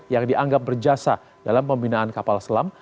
yang dianggap berjasa dalam pembinaan kapal selam